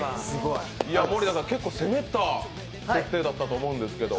盛田さん、結構攻めた設定だったと思うんですけど？